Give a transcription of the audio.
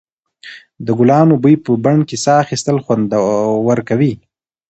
د ګلانو بوی په بڼ کې ساه اخیستل خوندور کوي.